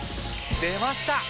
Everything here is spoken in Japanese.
出ました！